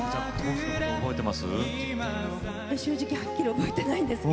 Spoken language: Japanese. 覚えていますか。